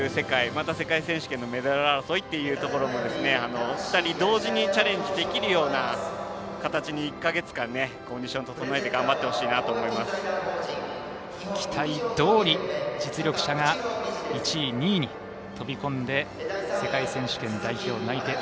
また世界選手権のメダル争いというところが２人同時にチャレンジできるような形に１か月間コンディションを整えて期待どおり実力者が１位、２位に飛び込んで、世界選手権代表内定。